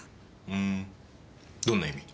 ふーんどんな意味？